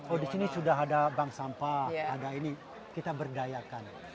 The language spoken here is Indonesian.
oh di sini sudah ada bank sampah ada ini kita berdayakan